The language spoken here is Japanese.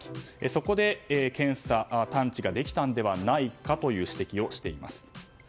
そこで検査・探知ができたのではないかという指摘をしています。